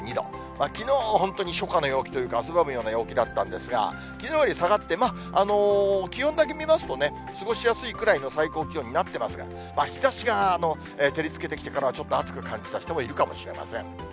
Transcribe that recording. きのう、本当に初夏の陽気というか、汗ばむような陽気だったんですが、きのうより下がって、気温だけ見ますと、過ごしやすいくらいの最高気温になってますが、日ざしが照りつけてきてからは、ちょっと暑く感じた人もいるかもしれません。